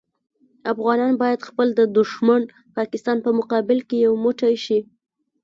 افغانان باید خپل د دوښمن پاکستان په مقابل کې یو موټی شي.